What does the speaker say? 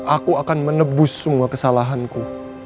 aku akan menebus semua kesalahanku